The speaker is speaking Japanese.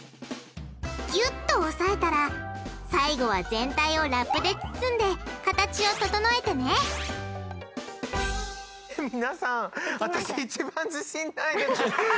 ぎゅっと押さえたら最後は全体をラップで包んで形を整えてねみなさん。